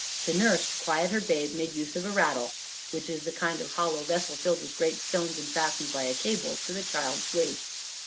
The nurse, to quiet her babe, made use of a rattle, which was a kind of hollow vessel filled with great stones, and fastened by a cable to the child's waist.